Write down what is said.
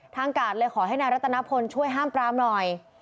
กาดเลยขอให้นายรัตนพลช่วยห้ามปรามหน่อย